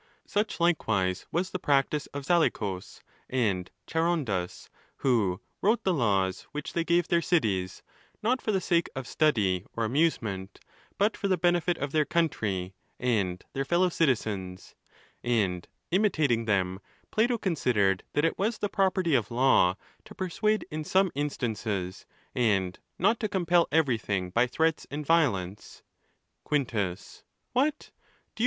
Such, likewise, was the practice of Zaleucus and Charondas, who wrote the laws which they gave their cities, not for the sake of study or amusement, but for the benefit of their country and their fellow citizens, DE NAT. ETC, FE 434 ON THE LAWS. And imitating them, Plato considered that it was the pro perty of law, to persuade in some instances, and not to compel everything by threats and violence. Quinitus.—What, do you.